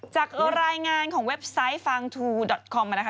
จากรายงานของเว็บไซต์ฟางทูดอตคอมมานะคะ